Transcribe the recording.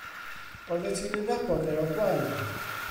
Oddet ti'n ei nabod e o'r blaen?